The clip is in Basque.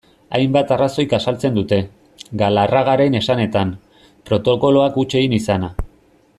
Hainbat arrazoik azaltzen dute, Galarragaren esanetan, protokoloak huts egin izana.